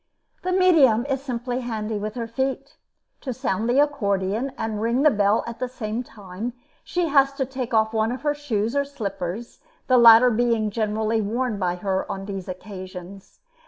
The medium is simply handy with her feet. To sound the accordeon and ring the bell at the same time, she has to take off one of her shoes or slippers, the latter being generally worn by her on these occasions.